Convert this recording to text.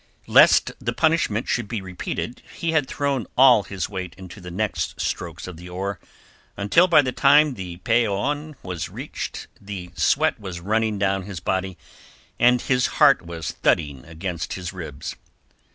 Lest the punishment should be repeated, he had thrown all his weight into the next strokes of the oar, until by the time the Peñon was reached the sweat was running down his body and his heart was thudding against his ribs.